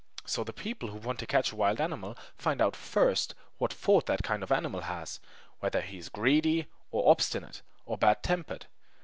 So the people who want to catch a wild animal find out first what fault that kind of animal has whether he is greedy, or obstinate, or bad tempered.